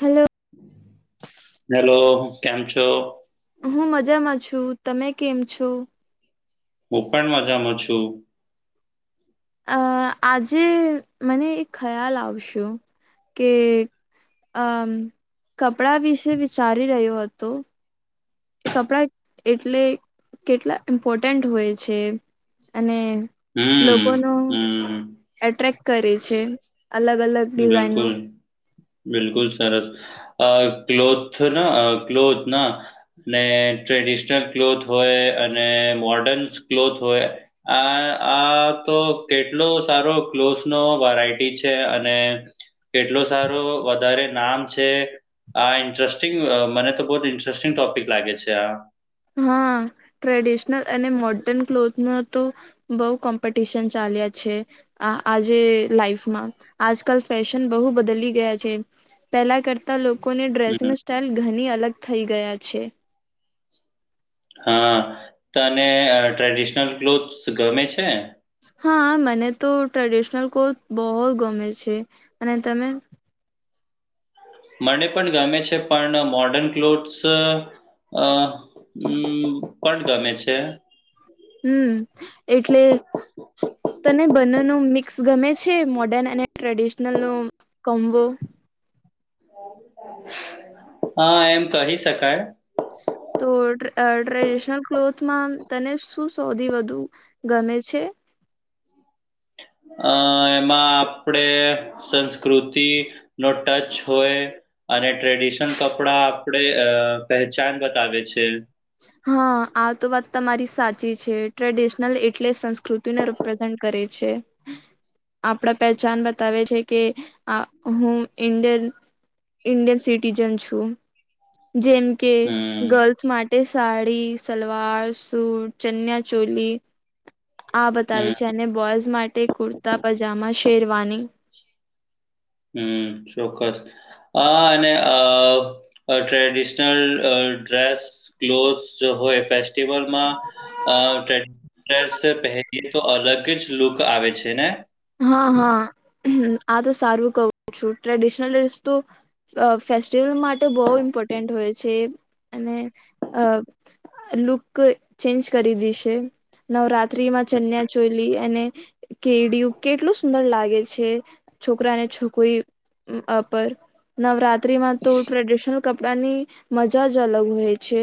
Hello hello કેમ છો હું મજામાં છું તમે કેમ છો હું પણ મજામાં છું અ આજે મને એક ખ્યાલ આવશુ કે અમ કપડા વિશે વિચારી રહ્યો હતું એ કપડાં એટલે કેટલા ઇમ્પોર્ટન્ટ હોય છે અને લોકો હમ ન હમ એટ્રેક્ટ કરે છે અલગ અલગ ડિઝાઇન નું બિલકુલ બિલકુલ સરસ અ ક્લોથ ના ક્લોથ ના ને ટ્રેડિશનલ ક્લોથ હોય અને મોર્ડન ક્લોથ હોય આ આ તો કેટલો સારો ક્લોથ નો વેરાયટી છે અને કેટલોું સારો વધારે નામ છે આ ઇન્ટરેસ્ટિંગ મને તો બહ જ ઇન્ટરેસ્ટિંગ ટોપિક લાગે છે આ હા ટ્રેડિશનલ અને મોર્ડન ક્લોથ ન તો બઉુ કોમ્પિટિશન ચાલ્યા છે આ આજે લાાઈફમાં આજકાલ ફેશન બહુ બદલી ગયા છે પહેલા કરતાં લોકોને હમ ડ્રેસિંગ સ્ટઇલ ઘણી અલગ થઈ ગયા છે હા તને ટ્રેડિશનલ ક્લોથ્સ ગમે છે હા મને તો ટ્રેડિશનલ કોથ બહુ જ ગમે છે અને તમે મને પણ ગમે છે પણ મોર્ડર્ન ક્લોથ્સ અ હમ કોણ ગમે છે હમ એટલે તને બંને ન મિક્સ ગમે છે મોર્ડર્ન અને ટ્રેડિશનલ નો કોબુ હા એમ કહી શકાય તો ટ્રેડિશનલ ક્લોથમાં તને શું સોધી વધુ ગમે છે અ એમાં આપડે સંસ્કૃતિ નો ટચ હોય અને ટ્રેડિશન કપડા આપડે અ પહેચાન બતાવે છે હા આ તો વાત તમારી સાચી છે ટ્રેડિશનલ એટલે સંસ્કૃતિ રિપ્રેઝન્ટ કરે છે. આપણા પહેચાન બતાવે છે કે, આ હું ઇન્ડિયન ઇન્ડિયન સિટીજન છું, જેમ કે હમ, ગર્લ્સ માટે તે સાડી સલવાર સૂટ ચન્યા ચોલી. આ હમ. બતાવેયું છે અને બોયઝ માટે કુર્તા પજામા શેરવાની. હમ ચોક્કસ. અ અને અ ટ્રેડિશનલ ડ્રેસ ક્લોથસ હોય ફેસ્ટિવલમાં. અ ટ્રેડિશનલ ડ્રેસ પહેરીએ તો અલગ જ લુક આવે છે ને. હા હા આ તો સારું કહું છું ટ્રેડિશનલ ડ્રેસ તો અ ફેસ્ટિવલ માટે બહુ ઇમ્પોર્ટન્ટ હોય છે અને અ લુક ચેન્જ કરી દીશે. નવરાત્રીમાં ચન્યા ચોલી અને કેડી કેટલું સુંદર લાગે છે, છોકરાને છોકરી પર નવરાત્ર રાત્રીમાં તો ટ્રેડિશનલ કપડા ની મજા જ અલગ હોય છે.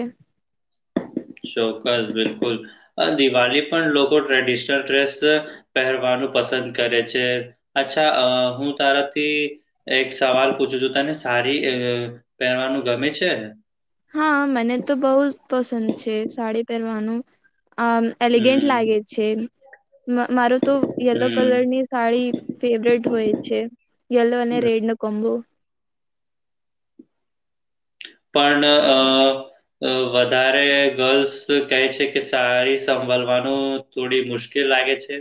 ચોક્કસ બિલકુલ, દિવાળી પણ લોકો ટ્રેડિશનલ ડ્રેસ. પહેરવાનું પસંદ કરે છે અચ્છા અ હું તારાથી એક સવાલ પૂછું છું તને સારી પહેરવાનું ગમે છે? હા મને તો બહુ જ પસંદ છે સાડી પહેરવાનું, આ એલિગેન્ટ હમ લાગે છે, મારો તો યલો હમ કલરની સાડી ફેવરેટ હોય છે યલો અને રેડ નો કોમબો. પણ અ અ વધારે ગર્લ્સ કહે છે કે સારી સંભળવાનું થોડી મુશ્કેલ લાગે છે,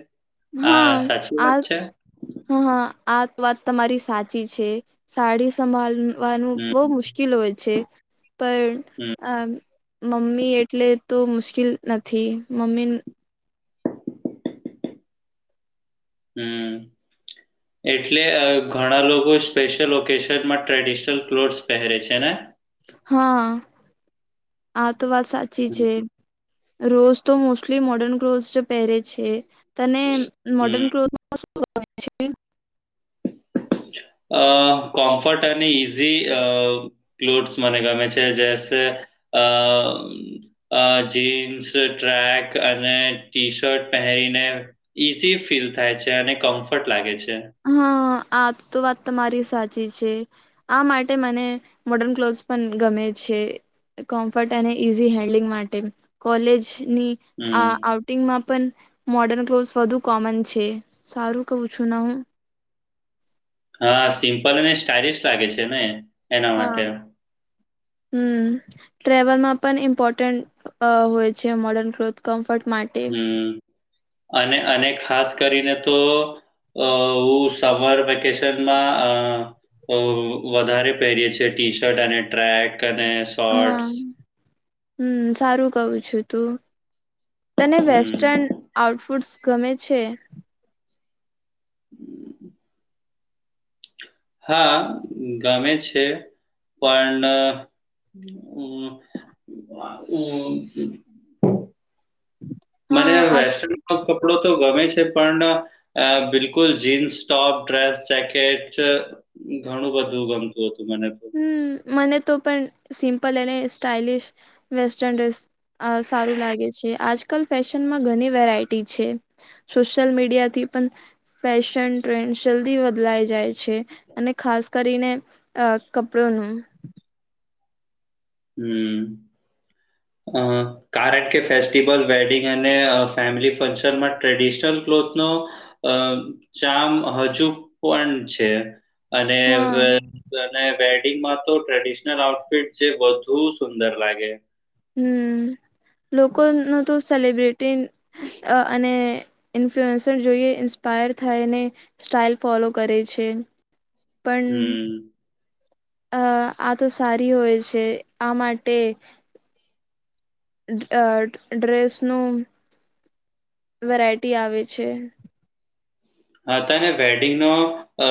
આ હા સાચી વાત આ છે? હા હા આ વાત તમારી સાચી છે. સાડી સંભળવાનું હમ, બહુ મુશ્કેલ હોય છે. પણ હમ, આ મમ્મી એટલે તો મુશ્કેલ નથી મમ્મી હમ. એટલે ઘણા લોકો સ્પેશયલ ઓકેશનમાં ટ્રેડિશનલ ક્લોથસ પહેરે છે ને. હા આા તો વાત સાચી હમ, છે. રોજ તો મોસ્ટલી મોર્ડર્ન ક્લોથ પહેરે છે, તને હમ. મોર્ડર્ન ક્લોથ [unintelligible] અ કોમ્ફર્ટ અને ઈઝી અ ક્લોથસ મને ગમે છે જસે અ અ જીન્સ ટ્રેક અને ટી શર્ટ પહેરીને ઈઝી ફીલ થાય છે અને કમ્ફર્ટ લાગે છે. હા આ તો તો વાત તમારી સાચી છે. આ માટે મને મોર્ડર્ન ક્લોથસ પણ ગમે છે. કોમ્ફર્ટ અને ઈઝી હેન્ડલિંગ માટે, કોલેજની હમ. આ ંગમાં પણ મોડર્ન ક્લોથ વધુ કોમન છે સારું કવું છું હું. હા સિમ્પલ અનેને સ્ટાઇલિશ લાગે છે ને. એના હા. [inaudible] હમ. ટ્રેવલમાં પણ ઇમ્પોર્ટન્ટ હોય છે મોર્ડર્ન ક્લોથ કમ્ફર્ટ માટે. હમ, અને અને ખાસ કરીને તો અ હું સમર વેકેશનમાં અ અ વધારે પહેરીએ છે છીએ, ટી શર્ટ અને ટ્રેક અને હા શોર્ટ્સ. હમ સારું કવું છું તું, તને હમ. વેસ્ટન આઉટફૂટ્સ ગમે છે. હમ. હા ગમે છે પણ હમ. મને હા વેસ્ટર્ન કપડો તો ગમે છે પણ અ બિલકુલ જીન્સ ટોપ ડ્રેસ જેકેટ ઘણું બધું ગમતું હતું મને હમ મને તો પણ સિમ્પલ અને સ્ટાઇલિશ વેસ્ટર્ન ડ્રેસ અ સારું લાગે છે આજકાલ ફેશનમાં ઘણી વેરાયટી છે. સોશલ મીડિયાથી પણ ફેશન ટ્રેન્ડ જલ્દી બદલાઈ જાય છે અને ખાસ કરીને કપડોનું હમ હ હ કારણ કે, ફેસ્ટિવલ વેડિંગ અને ફેમિલી ફંક્શનમાં ટ્રેડિશનલ ક્લોથનો અમ જામ હજુ પણ છે. અને હા વેડિંગમાં તો ટ્રેડિશનલ આઉટફિટ જે બહુ સુંદર લાગે હમ લોકો ન તો સેલિબ્રિટી અને ઇન્ફ્લુઅન્સર જોઈએ ઇન્સ્પાયર થાયને સ્ટાઇલ ફોલો કરે છે. પણ હમ. અ આ તો સારી હોય છે આ માટે ડ્રેસનું વેરાયટી આવે છે. તને વેડિંગ ન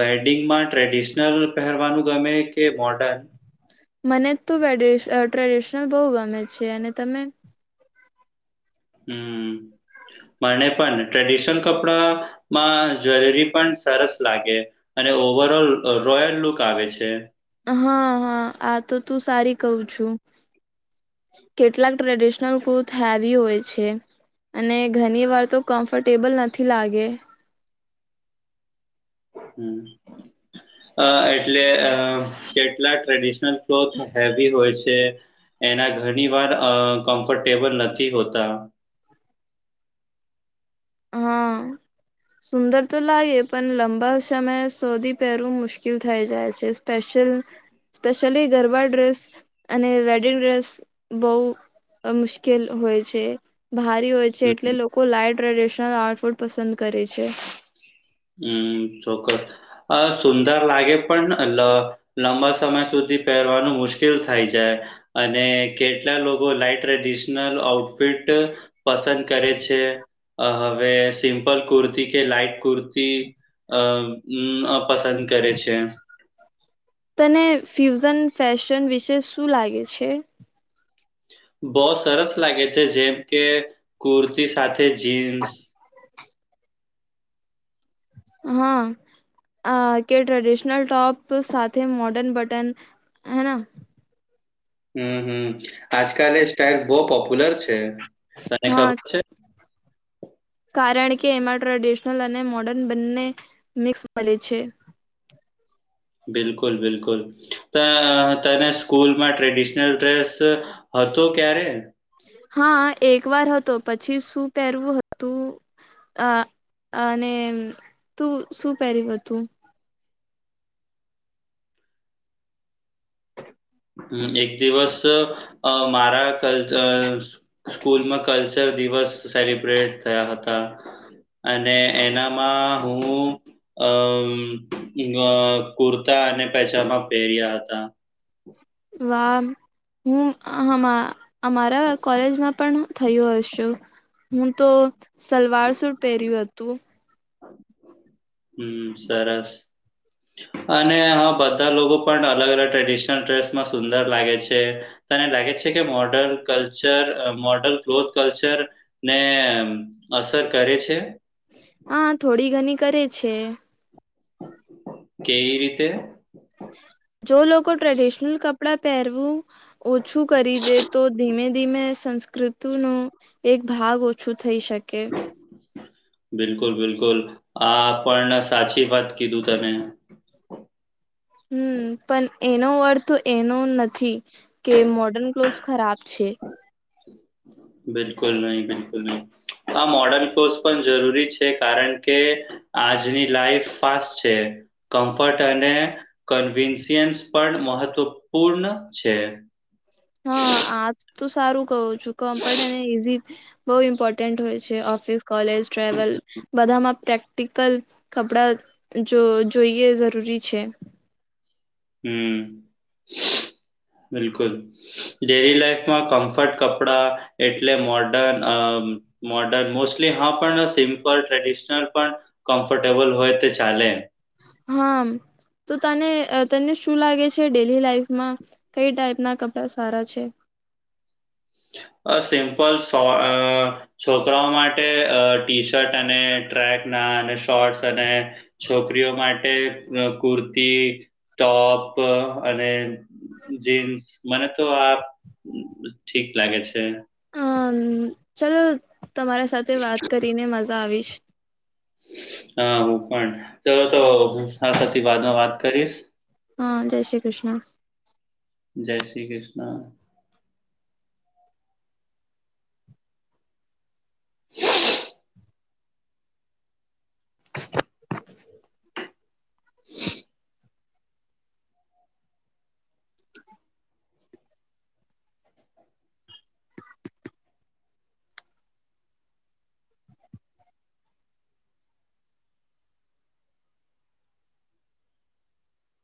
વેડિંગમાં ટ્રેડિશનલ પહેરવાનું ગમે કે મોડન મને તો ટ્રેડિશનલ બહુ ગમે છે અને તમે હમ. મને પણ ટ્રેડિશનલ કપડામાં જ્વેલરી પણ સરસ લાગે અને ઓવરઓલ રોયલ લુક આવે છે. હા હા આ તો તું સારી કહું છું કેટલાક ટ્રેડિશનલ કૂથ હેવી હોય છે. અને ઘણી વાર તો કમ્ફર્ટેબલ નથી લાગે હ એટલે અ કેટલા ટ્રેડિશનલ ક્લોથ હે હોય છે એના ઘણી વાર કમ્ફર્ટેબલ નથી હોતા. હમ. સુંદર તો લાગે પણ લંબા સમયે શોધી પહેરવું મુશ્કેલ થઈ જાય છે સ્પેશલ સ્પેશલી ગરબા ડ્રેસ અને વેડિંગ ડ્રેસ બહુ મુશ્કેલ હોય છે ભારી હોય છે એટલે લોકો લાાઈટ ટડિશનલ આર્ટફૂડ પસંદ કરે છે હમ ચોક્કસ અ સુંદર લાગે પણ લંબા સમય સુધી પહેરવાનું મુશ્કેલ થાય જાય અને કેટલા લોકો લાાઈટ ટ્રેડિશનલ આઉટફિટ પસંદ કરે છે હવે સિમ્પલ કુર્તી કે લાાઈટ કુર્તી અ પસંદ કરે છે. તને ફ્યુઝન ફેશન વિશે શું લાગે છે? બહઉ સરસ લાગે છે જેમ કે કુર્તી સાથે જીન્સ હમ અ કે ટ્રેડિશનલ ટોપ સાથે મોર્ડન બટન હેના હમ હમ આજકાલ એ સ્ટઇલ બહુ પોપ્યુલર છે તને હા ખબર છે. કારણ કે એમાં ટ્રેડિશનલ અને મોર્ડર્ન બંને મિક્સ મળે છે. બિકુલ બિલકુલ ત તને સ્કૂલમાં ટ્રેડિશનલ ડ્રેસ હતો ક્યારે હા એક વાર હતો પછી શું પહેરવું હતું અ અને તું શું પહેર્યું હતું હમ એક દિવસ અ મારા કલ્ચ સ્કૂલમાં કલ્ચર દિવસ સેલિબ્રેટ થયા હતા અને એનામાં હું અ અ કુર્તા અને પજામા પહેર્યા હતા વામ હું આહમાં અમારા કોલેજ પણ થયું હશું હું તો સલવાર સૂટ પહેર્યું હતું હમ સરસ અને હા બધા લોકો પણ અલગ અલગ ટ્રેડિશનલ ડ્રેસમાં સુંદર લાગે છે તને લાગે છે કે modern culture modern cloth culture ને અસર કરે છે હા થોડી ઘણી કરે છે કેવી રીતે? જો લોકો ટ્રેડિશનલ કપડા પહેરવું ઓછું કરી દે તો ધીમે ધીમે સંસ્કૃતૂ ન એક ભાગ ઓછું થઈ શકે બિલકુલ બિલકુલ આ પણ સાચી વાત કીધું તને હમ પણ એનો અર્થ તો એનો નથી કે મોડર્ન ક્લોથસ ખરાબ છે [inaudible] બિલકુલ નહી બિલકુલ નહી આ મોડન કોર્સ પણ જરૂરી છે કારણ કે આજની લાઈફ ફાસ્ટ છે કમ્ફર્ટ અને કન્વીન્સયન્સ પણ મહત્વપૂર્ણ છે હા આ તો સારું કહું છું કમ્ફર્ટ અને ઈઝી બહુ ઇમ્પોર્ટન્ટ હોય છે ઓફિસ કોલેજ ટ્રાવલ બધામાં પ્રેક ક્ટિકલ કપડાં જો જોઈએ જરૂરી છે હમ બિલકુલ ડેલી લાઈફમાં કમ્ફર્ટ કપડા એટલે મોર્ડન અમ મોર્ડર્ન મોસ્ટલી હા પણ સિમ્પલ ટ્રેડિશનલ પણ કમ્ફર્ટેબલ હોય તો ચાલે હા તો તને તને શું લાગે છે ડેલી લાાઈફમાં કઈ ટાઈપ ના કપડા સારા છે અ સિમ્પલ સો અ છોકરાઓ માટે અ ટી શર્ટ અને ટ્રેકના અને શોર્ટસ અને છોકરીઓ માટે કુર્તી, ટોપ અને જીન્સ મને તો આ ઠીક લાગે છે હમ ચલો તમારા સાથે વાત કરીને મજા આવી હા હું પણ ત તો હું આ [unintelligible] વાત કરીશ હા જય શ્રી કૃષ્ણ જય શ્રી કૃષ્ણ [inaudible] [inaudible]